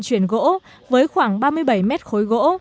chuyển gỗ với khoảng ba mươi bảy mét khối gỗ